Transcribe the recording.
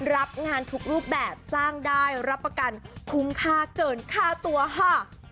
รับงานทุกรูปแบบสร้างได้รับประกันคุ้มค่าเกินค่าตัวค่ะ